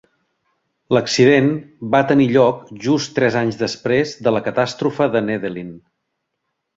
L'accident va tenir lloc just tres anys després de la catàstrofe de Nedelin.